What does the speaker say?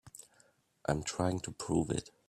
I'm trying to prove it.